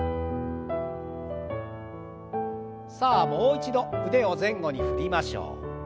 さあもう一度腕を前後に振りましょう。